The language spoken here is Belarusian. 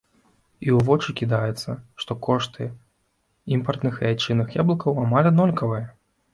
І ў вочы кідаецца, што кошты імпартных і айчынных яблыкаў амаль аднолькавыя!